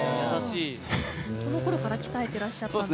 子供のころから鍛えてらっしゃったんですね。